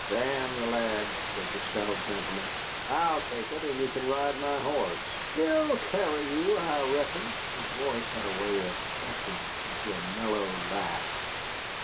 "D n the lad," said the stout gentleman. "I'll take it, and you can ride my horse. He'll he'll carry you, I reckon." His voice had a way of cracking into a mellow laugh.